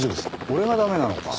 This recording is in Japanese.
俺が駄目なのか？